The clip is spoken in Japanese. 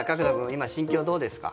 今心境どうですか？